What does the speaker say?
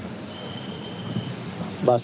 demikian yang dapat kami sampaikan terima kasih